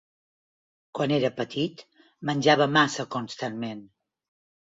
Quan era petit, menjava massa constantment.